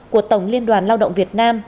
của tổng liên đoàn lao động việt nam